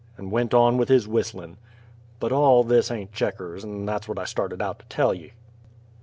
_" and went on with his whistlin'. But all this hain't Checkers, and that's what I started out to tell ye.